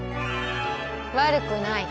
悪くない。